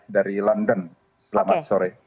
dari london selamat sore